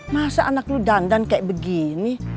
masa anak lu dandan kayak begini